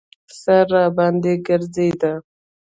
سر راباندې ګرځېده.